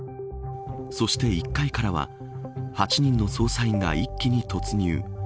そして１階からは８人の捜査員が一気に突入。